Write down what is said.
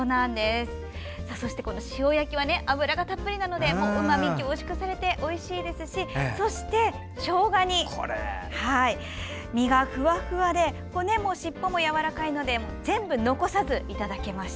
そして塩焼きは脂がたっぷりなのでうまみが凝縮されておいしいですしそして、しょうが煮は身がふわふわで骨も尻尾もやわらかいので全部残さずいただけました。